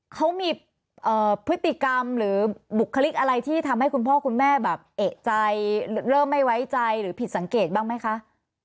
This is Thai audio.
เขามีพฤติกรรมหรือบุคลิกอะไรที่ทำให้คุณพ่อคุณแม่แบบเอกใจเริ่มไม่ไว้ใจหรือผิดสังเกตบ้างไหมคะ